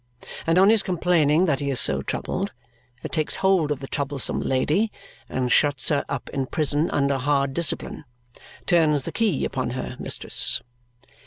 And on his complaining that he is so troubled, it takes hold of the troublesome lady and shuts her up in prison under hard discipline. Turns the key upon her, mistress."